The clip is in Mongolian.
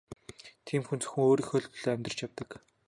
Тийм хүн зөвхөн өөрийнхөө л төлөө амьдарч явдаг.